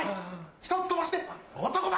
一つ飛ばして男前！